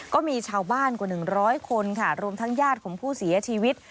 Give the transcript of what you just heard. ก็มีชาวบ้านกว่า๑๐๐คนค่ะรวมทั้งญาติของผู้เสียชีวิต